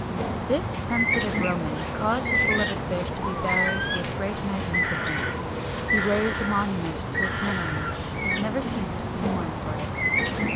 This sensitive Roman caused this beloved fish to be buried with great magnificence: he raised a monument to its memory, and never ceased to mourn for it.